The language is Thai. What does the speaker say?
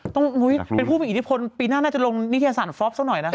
ต้องอุ้ยเป็นผู้เป็นอิทธิพลปีหน้าน่าจะลงนิทยาศาสตร์ฟล็อปสักหน่อยนะครับ